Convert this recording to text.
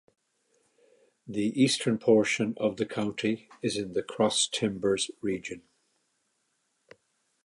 The eastern portion of the county is in the Cross Timbers region.